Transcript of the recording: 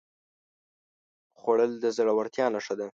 خوړل د زړورتیا نښه ده